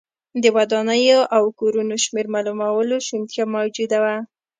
د ودانیو او کورونو شمېر معلومولو شونتیا موجوده وه